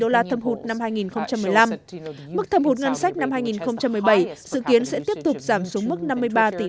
đô la thâm hụt năm hai nghìn một mươi năm mức thâm hụt ngân sách năm hai nghìn một mươi bảy dự kiến sẽ tiếp tục giảm xuống mức năm mươi ba tỷ